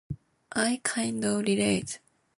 I kind of relate.